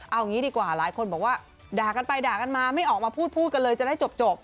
เอางี้ดีกว่าหลายคนบอกว่าด่ากันไปด่ากันมาไม่ออกมาพูดกันเลยจะได้จบ